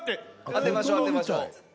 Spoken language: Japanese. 当てましょ当てましょ。